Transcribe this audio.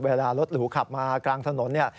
เวลารถหรูขับมากลางถนนเนี่ย